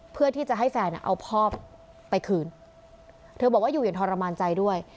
เพื่อที่จะให้แฟนเอาพ่อไปคืนเธอบอกว่าอยู่อย่างทรมานใจด้วย